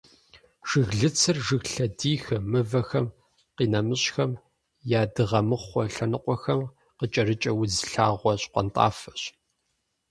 Жыглыцыр жыг лъэдийхэм, мывэхэм, къинэмыщӏхэм я дыгъэмыхъуэ лъэныкъуэхэм къыкӏэрыкӏэ удз лъагъуэ щхъуантӏафэщ.